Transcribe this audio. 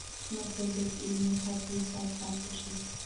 مه پرېږدئ چې علمي حقایق پټ پاتې شي.